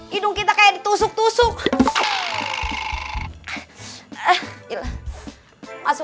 hidung kita kayak ditusuk gitu atau apaan sih